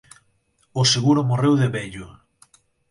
O seguro morreu de vello.